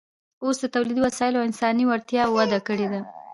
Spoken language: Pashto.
اوس د تولیدي وسایلو او انساني وړتیاوو وده کړې ده